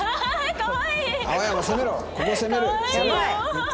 かわいい。